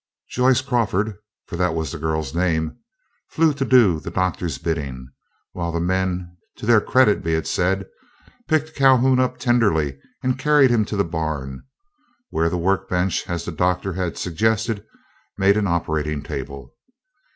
Joyce Crawford, for that was the girl's name, flew to do the Doctor's bidding, while the men, to their credit be it said, picked Calhoun up tenderly and carried him to the barn, where the work bench, as the Doctor had suggested, made an operating table.